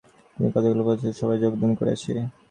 আমি কতকগুলি প্রেততত্ত্বের সভায় যোগদান করিয়াছি।